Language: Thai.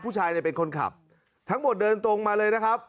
ผู้ชายเนี่ยเป็นคนขับทั้งหมดเดินตรงมาเลยนะครับ